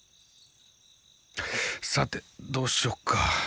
さてどうしよっか。